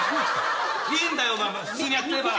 いいんだよ普通にやってれば。